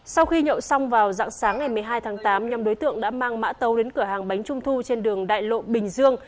sau khi nhậu xong vào dạng sáng ngày một mươi hai tháng tám nhóm đối tượng đã mang mã tấu đến cửa hàng bánh trung thu trên đường đại lộ bình dương